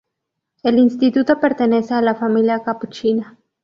El instituto pertenece a la Familia capuchina.